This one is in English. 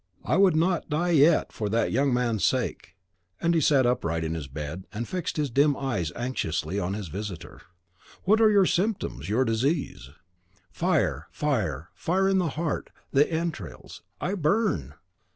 I would not die yet, for that young man's sake." And he sat upright in his bed, and fixed his dim eyes anxiously on his visitor. "What are your symptoms, your disease?" "Fire, fire, fire in the heart, the entrails: I burn!"